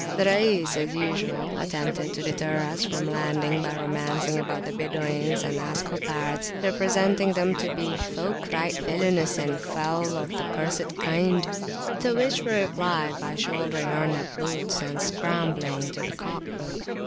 The Rais, as usual, attempted to deter us from landing, by romancing about the "Bedoynes and Ascopards," representing them to be "folke ryghte felonouse and foule and of cursed kynde." To which we replied by shouldering our Nabbuts and scrambling into the cock boat [p.